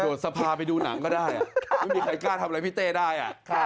สภาไปดูหนังก็ได้ไม่มีใครกล้าทำอะไรพี่เต้ได้